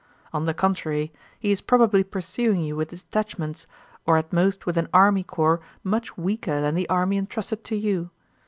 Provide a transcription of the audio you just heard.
On the contrary, he is probably pursuing you with detachments, or at most with an army corps much weaker than the army entrusted to you.